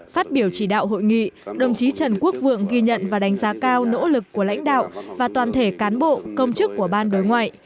phát biểu chỉ đạo hội nghị đồng chí trần quốc vượng ghi nhận và đánh giá cao nỗ lực của lãnh đạo và toàn thể cán bộ công chức của ban đối ngoại